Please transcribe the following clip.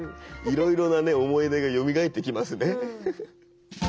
いろいろな思い出がよみがえってきますね。